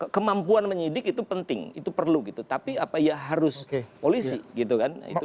kemampuan menyidik itu penting itu perlu gitu tapi apa ya harus polisi gitu kan